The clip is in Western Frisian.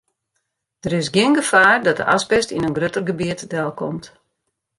Der is gjin gefaar dat de asbest yn in grutter gebiet delkomt.